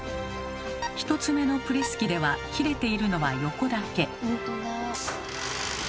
１つ目のプレス機では切れているのは横だけ。